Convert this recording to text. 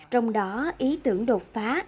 trong đó ý tưởng đột phá